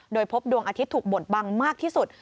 โดยพบดวงอาทิตย์ถูกบดบังมากที่สุด